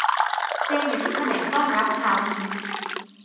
เจมส์ อยู่ที่แผนกต้อนรับเช้านี้